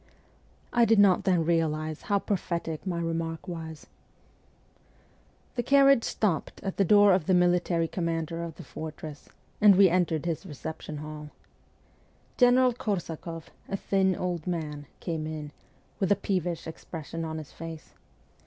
I did not then realize how prophetic my remark was. 136 MEMOIRS OF A REVOLUTIONIST The carriage stopped at the door of the military commander of the fortress, and we entered his recep tion hall. General Korsakoff, a thin old man, came in, with a peevish expression on his face.